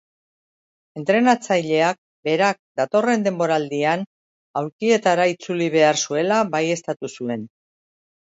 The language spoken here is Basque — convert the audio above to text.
Entrenatzaileak berak datorren denboraldian aulkietara itzuli behar zuela baieztatu zuen.